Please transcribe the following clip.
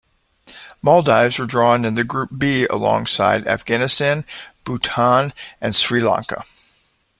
Maldives were drawn in the group B alongside Afghanistan, Bhutan and Sri Lanka.